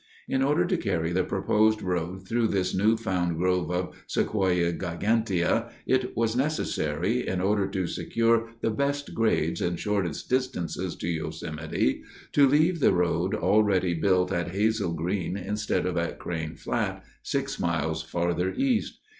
In order to carry the proposed road through this new found grove of Sequoia gigantea it was necessary, in order to secure the best grades and shortest distances to Yosemite, to leave the road already built at Hazel Green instead of at Crane Flat six miles farther east.